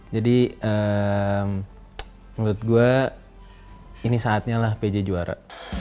jadi menurut gue ini saatnya lah pj juara